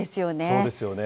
そうですよね。